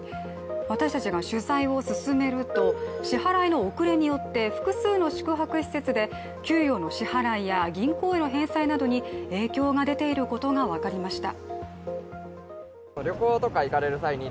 私たちが取材を進めると支払の遅れによって、複数の宿泊施設で給与の支払いや銀行への返済などに影響が出ていることが分かりました。